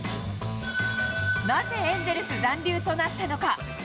なぜエンゼルス残留となったのか。